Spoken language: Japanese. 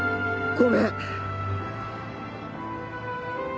ごめん！